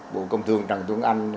bộ công thương trần tuấn anh